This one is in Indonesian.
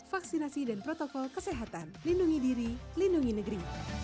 vaksinasi dan protokol kesehatan lindungi diri lindungi negeri